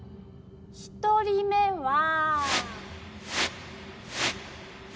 １人目は。